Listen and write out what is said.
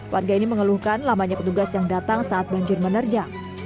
warga ini mengeluhkan lamanya petugas yang datang saat banjir menerjang